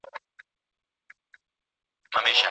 وخت په دغه زاړه ځای کې کنګل شوی دی.